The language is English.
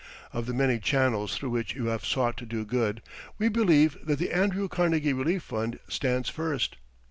Of the many channels through which you have sought to do good, we believe that the "Andrew Carnegie Relief Fund" stands first.